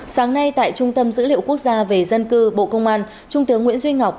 sáng nay tại trung tâm dữ liệu quốc gia về dân cư bộ công an trung tướng nguyễn duy ngọc